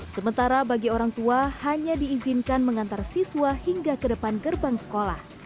sementara bagi orang tua hanya diizinkan mengantar siswa hingga ke depan gerbang sekolah